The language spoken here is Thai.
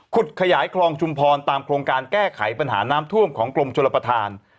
ขยายคลองชุมพรตามโครงการแก้ไขปัญหาน้ำท่วมของกรมชลประธาน